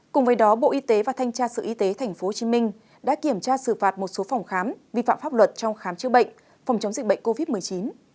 cùng với đó bộ y tế và thanh tra sở y tế tp hcm đã kiểm tra xử phạt một số phòng khám vi phạm pháp luật trong khám chữa bệnh phòng chống dịch bệnh covid một mươi chín